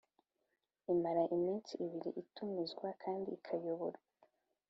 imara iminsi ibiri itumizwa kandi ikayoborwa